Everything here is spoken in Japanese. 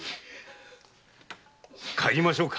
帰りましょうか。